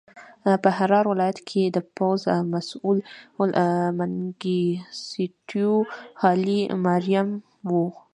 په حراره ولایت کې د پوځ مسوول منګیسټیو هایلي ماریم و.